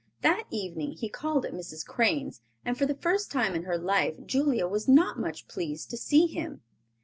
That evening he called at Mrs. Crane's and for the first time in her life Julia was not much pleased to see him.